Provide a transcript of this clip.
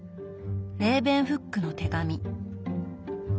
「レーベンフックの手紙」。